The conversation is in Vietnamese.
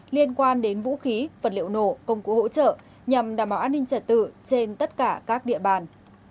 liên quan đến vũ khí vật liệu nổ công cụ hỗ trợ nhằm đảm bảo an ninh trật tự trên tất cả các địa bàn